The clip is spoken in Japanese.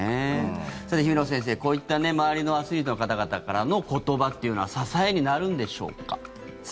さて、姫野先生こういった周りのアスリートの方々からの言葉というのは支えになるんでしょうか。